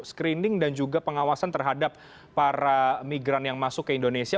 screening dan juga pengawasan terhadap para migran yang masuk ke indonesia